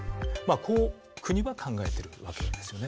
こう国は考えてるわけですよね。